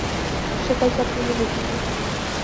شکل تک نہیں دیکھی تھی